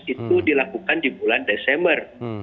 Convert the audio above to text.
itu dilakukan di bulan desember